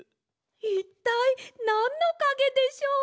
いったいなんのかげでしょう！？